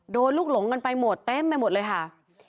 ลูกหลงกันไปหมดเต็มไปหมดเลยค่ะ